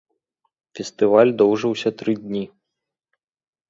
Фестываль доўжыўся тры дні.